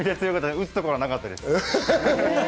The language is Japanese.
打つところがなかったです。